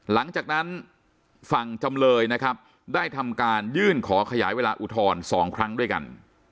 หลังจากนั้นฝั่งจำเลยนะครับได้ทำการยื่นขอขยายเวลาอุทธรณ์๒ครั้งด้วยกัน